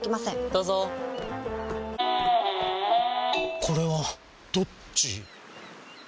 どうぞこれはどっち？